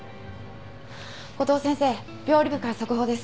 五島先生病理部から速報です。